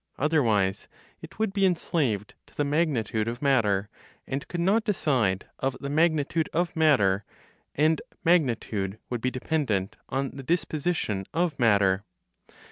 Otherwise, it would be enslaved to the magnitude of matter, and could not decide of the magnitude of matter, and magnitude would be dependent on the disposition of matter.